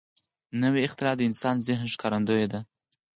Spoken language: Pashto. نوې اختراع د انسان ذهن ښکارندوی ده